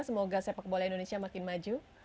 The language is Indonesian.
semoga sepak bola indonesia makin maju